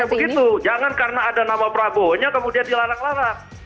iya harusnya begitu jangan karena ada nama brabo hanya kemudian dilarang larang